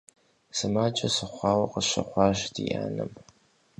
Сымаджэ сыхъуауэ къыщыхъуащ ди анэм.